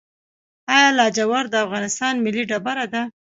آیا لاجورد د افغانستان ملي ډبره ده؟